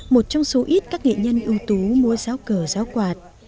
một trong số ít các nghệ nhân ưu tú mua giáo cờ giáo quạt